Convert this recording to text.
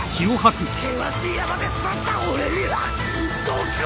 険しい山で育った俺には毒も効かねえ！